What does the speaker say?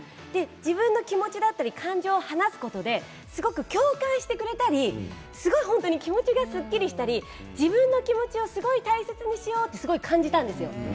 自分の気持ちや感情を話すことで共感してくれたり気持ちがすっきりしたり自分の気持ちをすごい大切にしようってすごい感じたんですよ。